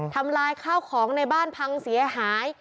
ทำลายข้าวของในบ้านพังเสียหาย